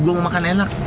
gue mau makan enak